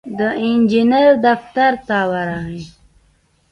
د انجينر دفتر ته ورغی.